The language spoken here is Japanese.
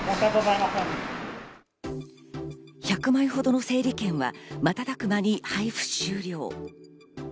１００枚ほどの整理券は瞬く間に配布終了。